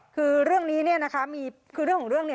คือเรื่องนี้นะคะคือเรื่องของเรื่องนี้